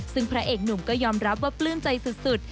ซึ่งพระเอกหนุ่มก็ยอมรับว่าปลื้มใจสุด